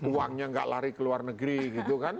uangnya nggak lari ke luar negeri gitu kan